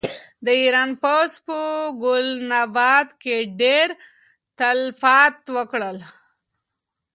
د ایران پوځ په ګلناباد کې ډېر تلفات ورکړل.